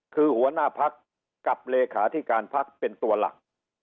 คือหัวหน้าพักกับเลขาธิการพักเป็นตัวหลัก